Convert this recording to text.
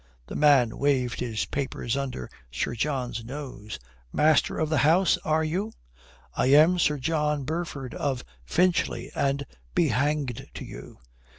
The man waved his papers under Sir John's nose. "Master of the house, are you?" "I am Sir John Burford of Finchley, and be hanged to you."